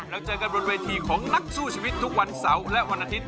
แล้วเจอกันบนเวทีของนักสู้ชีวิตทุกวันเสาร์และวันอาทิตย